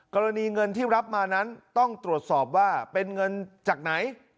กรณีเงินที่รับมานั้นต้องตรวจสอบว่าเป็นเงินจากไหน